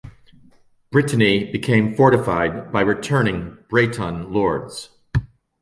Brittany became fortified by returning Breton lords.